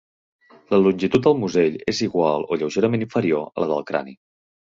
La longitud del musell és igual o lleugerament inferior a la del crani.